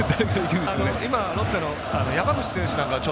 今、ロッテの山口選手なんかは。